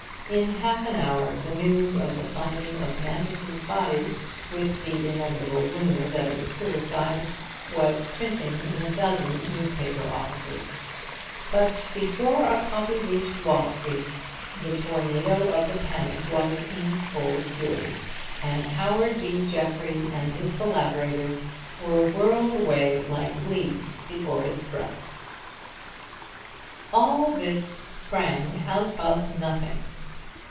In half an hour the news of the finding of Manderson's body, with the inevitable rumor that it was suicide, was printing in a dozen newspaper offices; but before a copy reached Wall Street the tornado of the panic was in full fury, and Howard B. Jeffrey and his collaborators were whirled away like leaves before its breath. All this sprang out of nothing.